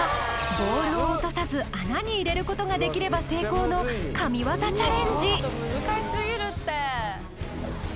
ボールを落とさず穴に入れることができれば成功の神技チャレンジ